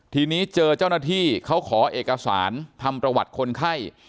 ทีนี้เจอเจ้าหน้าที่เขาขอเอกสารทำประวัติคนไข้